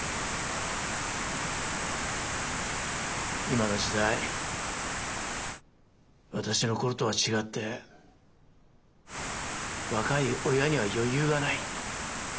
今の時代私の頃とは違って若い親には余裕がない。